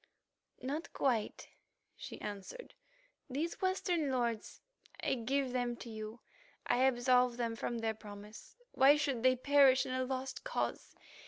"Not quite," she answered. "These Western lords, I give them to you; I absolve them from their promise. Why should they perish in a lost cause?